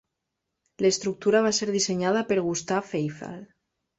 L'estructura va ser dissenyada per Gustave Eiffel.